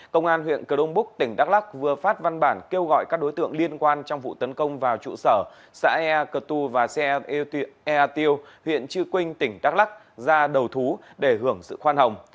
công an huyện cờ đông búc tỉnh đắk lắc vừa phát văn bản kêu gọi các đối tượng liên quan trong vụ tấn công vào trụ sở xã ea cơ tu và ea tiêu huyện chư quynh tỉnh đắk lắc ra đầu thú để hưởng sự khoan hồng